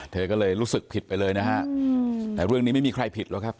เธอก็เลยรู้สึกผิดไปเลยนะฮะแต่เรื่องนี้ไม่มีใครผิดหรอกครับ